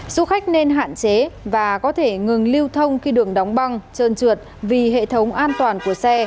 du khách nên hạn chế và có thể ngừng lưu thông khi đường đóng băng trơn trượt vì hệ thống an toàn của xe